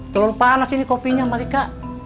telur panas ini kopinya malika